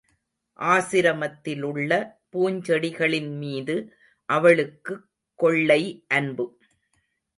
ஆசிரமத்திலுள்ள பூஞ்செடிகளின்மீது அவளுக்குக் கொள்ளை அன்பு.